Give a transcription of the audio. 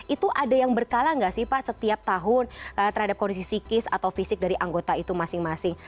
itu ada yang berkala nggak sih pak setiap tahun terhadap kondisi psikis atau fisik dari anggota itu masing masing